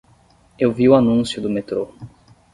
Eu vi o anúncio do metrô